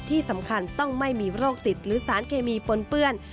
ที่สำคัญต้องไม่มีโรคติดหรือสารเคมีปนเปื้อน